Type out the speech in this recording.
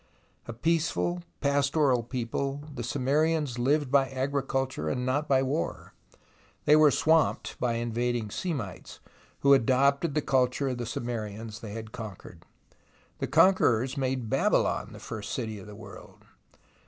A peaceful, pastoral people, the Sumerians lived by agriculture and not by war, and they were swamped by invading Semites, who adopted the culture of the Sumerians they had conquered. The conquerors made Babylon the first city of the world.